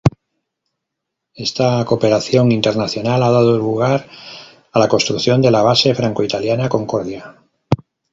Esta cooperación internacional ha dado lugar a la construcción de la base franco-italiana Concordia.